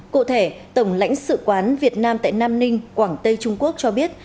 cụ thể tổng lãnh sự quán việt nam tại nam ninh quảng tây trung quốc cho biết